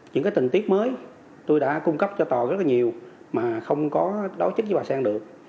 những tình tiết mới tôi đã cung cấp cho tòa rất nhiều mà không có đối chức với bà sen được